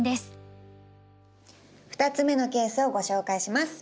２つ目のケースをご紹介します。